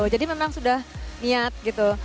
jadi memang sudah niat gitu